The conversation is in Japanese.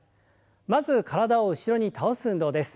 まず体を後ろに倒す運動です。